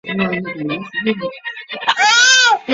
古廷区是莱索托南部的一个区。